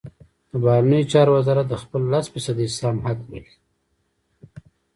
د بهرنیو چارو وزارت د خپل لس فیصدۍ سهم حق بولي.